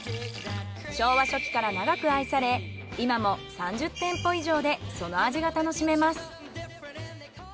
昭和初期から長く愛され今も３０店舗以上でその味が楽しめます。